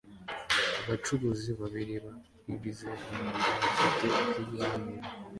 Abacuruzi babiri babigize umwuga bafite ikiganiro